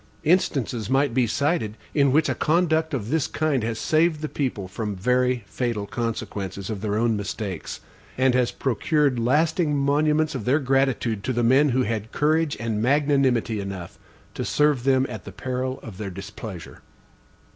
Instances might be cited in which a conduct of this kind has saved the people from very fatal consequences of their own mistakes, and has procured lasting monuments of their gratitude to the men who had courage and magnanimity enough to serve them at the peril of their displeasure.